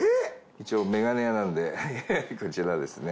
一応メガネ屋なんでこちらですね。